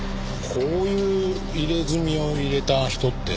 こういう入れ墨を入れた人って知りません？